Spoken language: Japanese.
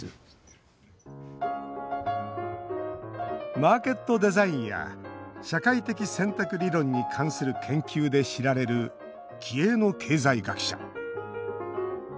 マーケットデザインや社会的選択理論に関する研究で知られる気鋭の経済学者。